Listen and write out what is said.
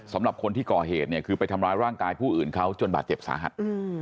สำหรับคนที่ก่อเหตุเนี่ยคือไปทำร้ายร่างกายผู้อื่นเขาจนบาดเจ็บสาหัส